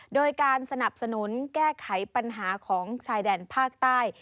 โดยการสนับสนุนแก้ไขปัญหาของชายแดนภาคใต้